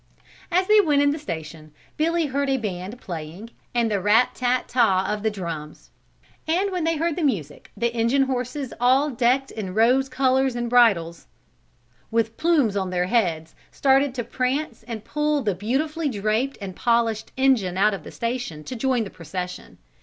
As they went in the station Billy heard a band playing and the rat ta tah tah of the drums, and when they heard the music the engine horses, all decked in rose collars and bridles, with plumes on their heads, started to prance and pull the beautifully draped and polished engine out of the station to join the procession.